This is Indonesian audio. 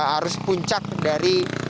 arus puncak dari